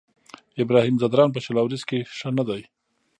ابراهيم ځدراڼ په شل اوريزو کې ښه نه دی.